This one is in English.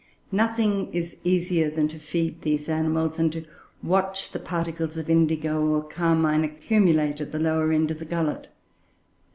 Nothing is easier than to feed these animals, and to watch the particles of indigo or carmine accumulate at the lower end of the gullet.